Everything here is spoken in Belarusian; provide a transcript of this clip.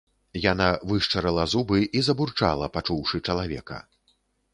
Яна вышчарыла зубы і забурчала, пачуўшы чалавека.